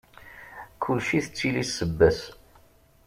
Kulci tettili ssebba-s.